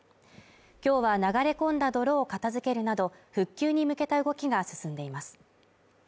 今日は流れ込んだ泥を片付けるなど、復旧に向けた動きが進んでいます。